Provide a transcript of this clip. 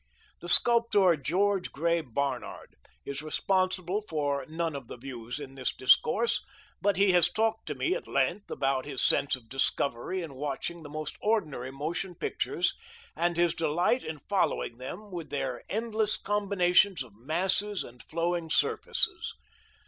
The sculptor George Gray Barnard is responsible for none of the views in this discourse, but he has talked to me at length about his sense of discovery in watching the most ordinary motion pictures, and his delight in following them with their endless combinations of masses and flowing surfaces.